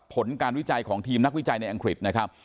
ผลการวิจัยของทีมนักวิจัยในอังกฤษนะครับ